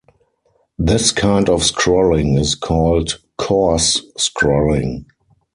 This kind of scrolling is called, "coarse scrolling".